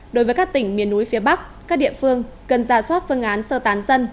đối với các tỉnh miền núi phía bắc các địa phương cần ra soát phương án sơ tán dân